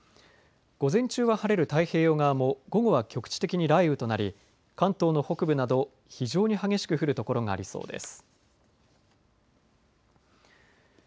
午前中は晴れる太平洋側も午後は局地的に雷雨となり関東の北部など非常に激しく降るところがありそうです。